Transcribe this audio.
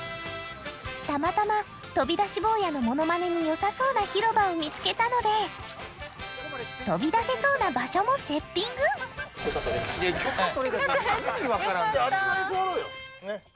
たまたま飛び出し坊やのモノマネに良さそうな広場を見つけたので飛び出せそうな場所もセッティング許可取れました。